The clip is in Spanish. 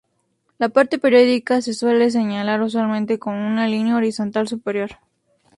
La parte periódica se suele señalar usualmente con una línea horizontal superior.